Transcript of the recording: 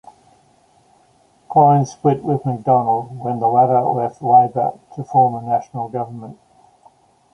Clynes split with MacDonald when the latter left Labour to form a National Government.